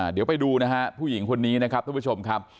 เดี๋ยวไปดูนะฮะผู้หญิงคนนี้นะครับทุกผู้ชมครับ